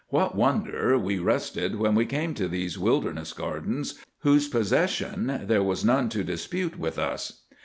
What wonder we rested when we came to these wilderness gardens whose possession there was none to dispute with us!